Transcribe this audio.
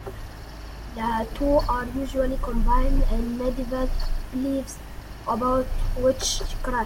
The two are usually combined in medieval beliefs about witchcraft.